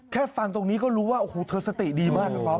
ฟังตรงนี้ก็รู้ว่าโอ้โหเธอสติดีมากพี่ป๊อ